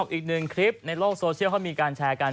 อีกหนึ่งคลิปในโลกโซเชียลเขามีการแชร์กัน